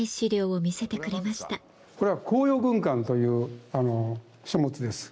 これは「甲陽軍鑑」という書物です。